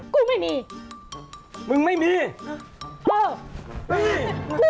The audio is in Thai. ครูไม่มีจริงเป้ยไม่มีมรึไงหู